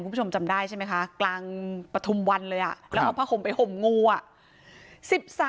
คุณผู้ชมจำได้ใช่ไหมคะกลางปฐุมวันเลยแล้วเอาผ้าห่มไปห่มงูอ่ะ